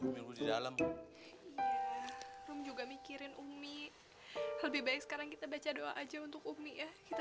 umilu di dalam juga mikirin umi lebih baik sekarang kita baca doa aja untuk umi ya kita